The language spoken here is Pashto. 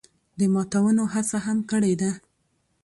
د ماتونو هڅه هم کړې ده